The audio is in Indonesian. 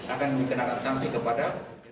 akan dikenakan sanksi kepada